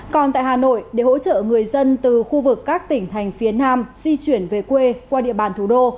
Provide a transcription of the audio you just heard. còn tại hà nội để hỗ trợ người dân từ khu vực các tỉnh thành phía nam di chuyển về quê qua địa bàn thủ đô